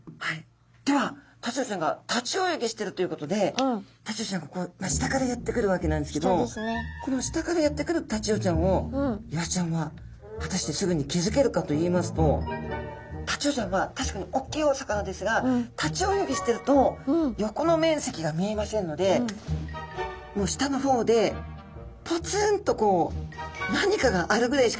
ではタチウオちゃんが立ち泳ぎしてるということでタチウオちゃんがこう下からやって来るわけなんですけどこの下からやって来るタチウオちゃんをイワシちゃんは果たしてすぐに気付けるかといいますとタチウオちゃんは確かにおっきいお魚ですが立ち泳ぎしてると横の面積が見えませんのでもう下の方でぽつんとこう何かがあるぐらいしか見えないと思うんですね。